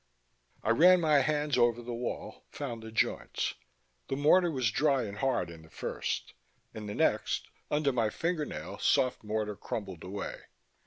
I ran my hands over the wall, found the joints. The mortar was dry and hard in the first; in the next ... under my fingernail soft mortar crumbled away.